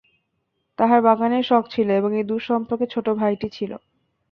তাহার বাগানের শখ ছিল এবং এই দূরসম্পর্কের ছোটোভাইটি ছিল।